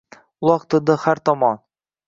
Uloqtirdi har tomon.